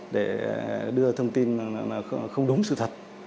để đưa thông tin không đúng sự thật